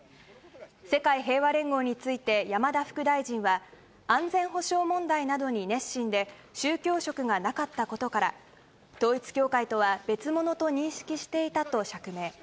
世界平和連合について、山田副大臣は、安全保障問題などに熱心で、宗教色がなかったことから、統一教会とは別物と認識していたと釈明。